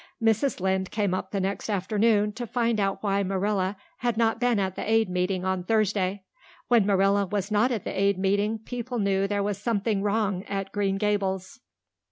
Mrs. Lynde came up the next afternoon to find out why Marilla had not been at the Aid meeting on Thursday. When Marilla was not at Aid meeting people knew there was something wrong at Green Gables.